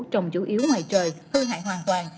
trồng chủ yếu ngoài trời hư hại hoàn toàn